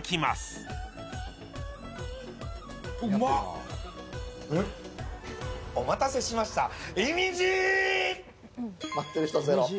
うまっ！お待たせしました。